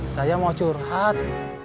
saya mau curhat